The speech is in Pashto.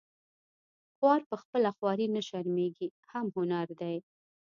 خوار په خپله خواري نه شرمیږي هم هنري دی